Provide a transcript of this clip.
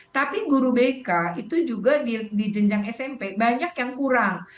tapi guru bk itu juga di jenjang smp banyak yang kurang